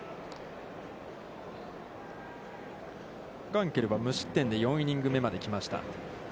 ガンケルは無失点で、４イニングス目まで来ました。